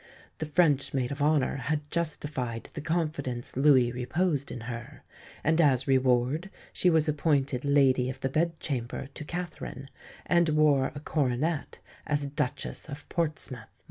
The French maid of honour had justified the confidence Louis reposed in her; and as reward she was appointed Lady of the Bedchamber to Catherine, and wore a coronet as Duchess of Portsmouth.